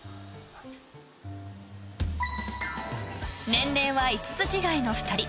年齢は５つ違いの２人。